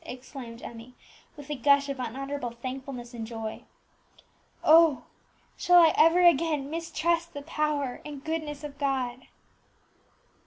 exclaimed Emmie, with a gush of unutterable thankfulness and joy. "Oh! shall I ever again mistrust the power and the goodness of God!"